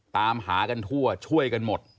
ตามหากันทั่วช่วยกันหมด